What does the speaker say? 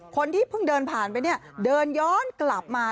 คนที่เพิ่งเดินผ่านไปเนี่ยเดินย้อนกลับมา